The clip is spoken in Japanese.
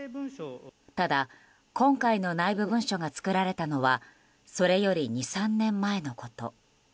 ただ今回の内部文書が作られたのはそれより２３年前のこと。